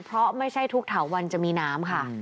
เพราะไม่ใช่ทุกเถาวันจะมีน้ำค่ะ